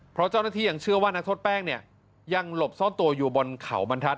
เพราะเจ้าหน้าที่ยังเชื่อว่านักโทษแป้งเนี่ยยังหลบซ่อนตัวอยู่บนเขาบรรทัศ